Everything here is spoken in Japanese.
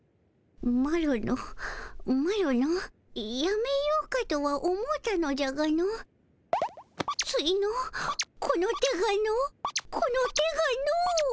マロのマロのやめようかとは思うたのじゃがのついのこの手がのこの手がの。